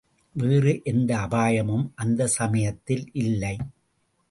வேறு எந்த அபாயமும் அந்தச்சமயத்தில் இல்லை.